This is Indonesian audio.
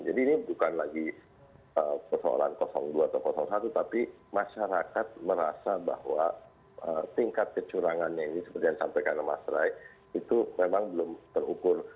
jadi ini bukan lagi persoalan dua atau satu tapi masyarakat merasa bahwa tingkat kecurangannya ini seperti yang disampaikan mas rai itu memang belum terukur